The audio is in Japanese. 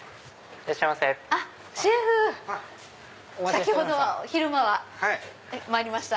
先ほど昼間参りました。